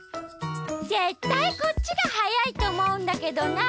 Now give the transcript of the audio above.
ぜったいこっちがはやいとおもうんだけどな。